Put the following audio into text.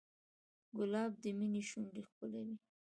ګلاب د مینې شونډې ښکلوي.